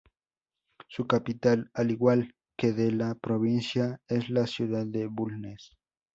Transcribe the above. Su capital, al igual que de la provincia, es la ciudad de Bulnes.